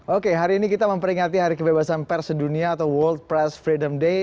oke hari ini kita memperingati hari kebebasan pers sedunia atau world press freedom day